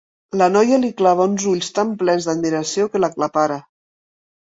La noia li clava uns ulls tan plens d'admiració que l'aclapara.